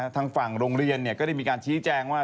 ทางฝั่งโรงเรียนก็ได้มีการชี้แจงว่า